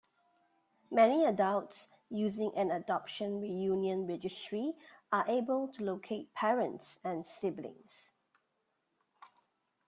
Many adults using an adoption reunion registry are able to locate parents and siblings.